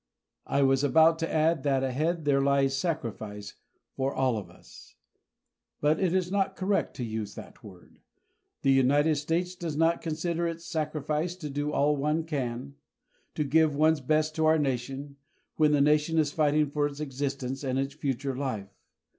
I was about to add that ahead there lies sacrifice for all of us. But it is not correct to use that word. The United States does not consider it a sacrifice to do all one can, to give one's best to our nation, when the nation is fighting for its existence and its future life.